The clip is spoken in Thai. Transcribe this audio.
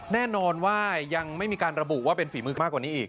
แน่นอนว่ายังไม่มีการระบุว่าเป็นฝีมือมากกว่านี้อีก